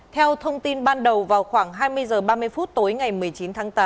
theo thông tin ban đầu vào khoảng hai mươi h ba mươi phút tối ngày một mươi chín tháng tám